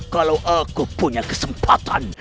kalau aku punya kesempatan